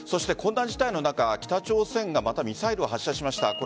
こんな事態の中北朝鮮がまたミサイルを発射しました。